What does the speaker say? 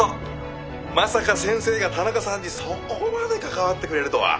まさか先生が田中さんにそこまで関わってくれるとは。